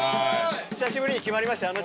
久しぶりに決まりましたよ。